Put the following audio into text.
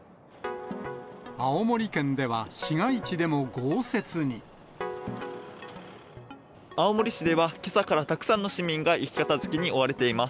青森県では、青森市では、けさからたくさんの市民が雪片づけに追われています。